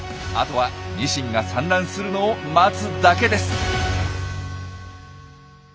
あとはニシンが産卵するのを待つだけです。